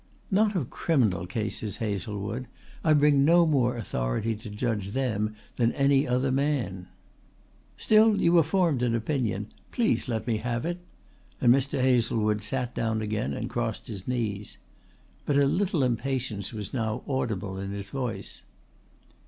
"Not of criminal cases, Hazlewood. I bring no more authority to judge them than any other man." "Still you have formed an opinion. Please let me have it," and Mr. Hazlewood sat down again and crossed his knees. But a little impatience was now audible in his voice.